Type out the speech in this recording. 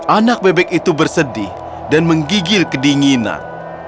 anak bebek itu bersedih dan menggigil kedinginan